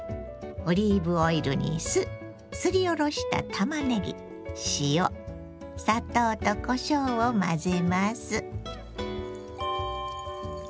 オリーブオイルに酢すりおろしたたまねぎ塩砂糖とこしょうを混ぜます。